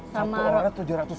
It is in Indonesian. satu orang tujuh ratus ribu